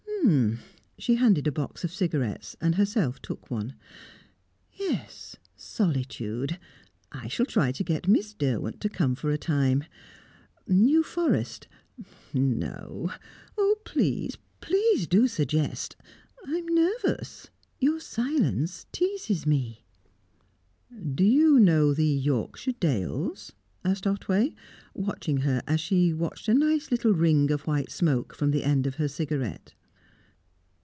H'm!" She handed a box of cigarettes, and herself took one. "Yes, solitude. I shall try to get Miss Derwent to come for a time. New Forest no, Please, please, do suggest! I'm nervous; your silence teases me." "Do you know the Yorkshire dales?" asked Otway, watching her as she watched a nice little ring of white smoke from the end of her cigarette.